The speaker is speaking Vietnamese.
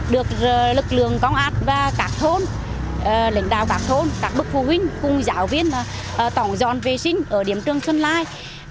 được lực lượng công an và các thôn lãnh đạo các thôn các bậc phụ huynh cùng giáo viên tổng dọn vệ sinh ở điểm trường xuân lai